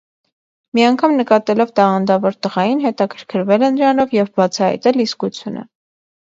Մի անգամ նկատելով տաղանդավոր տղային՝ հետաքրքրվել է նրանով և բացահայտել իսկությունը։